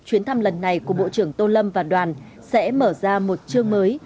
chuyến thăm lần này của bộ trưởng tô lâm và đoàn sẽ mở ra một chương mới